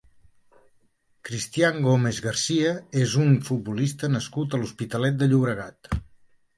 Cristian Gómez García és un futbolista nascut a l'Hospitalet de Llobregat.